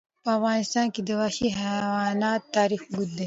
په افغانستان کې د وحشي حیوانات تاریخ اوږد دی.